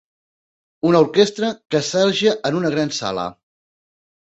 una orquestra que assaja en una gran sala